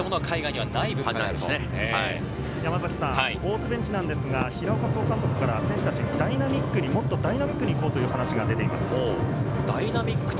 大津ベンチですが、平岡総監督から選手達にダイナミックに、もっとダイナミックに行こうという話が出ています。